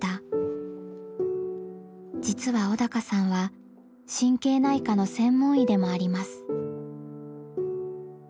実は小鷹さんは神経内科の専門医でもあります。